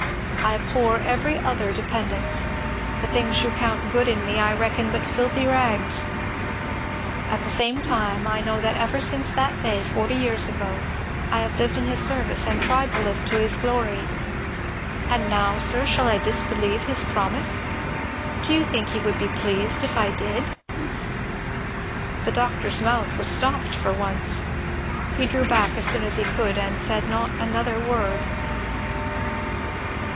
I abhor every other dependence the things you count good in me I reckon but filthy rags. At the same time, I know that ever since that day, forty years ago, I have lived in his service and tried to live to his glory. And now, sir, shall I disbelieve his promise? do you think he would be pleased if I did?" The doctor's mouth was stopped, for once. He drew back as soon as he could and said not another word.